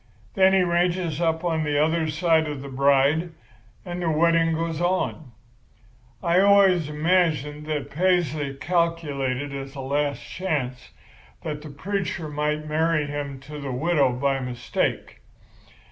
Then he ranges up on the other side of the bride, and the wedding goes on. I always imagined that Paisley calculated as a last chance that the preacher might marry him to the widow by mistake.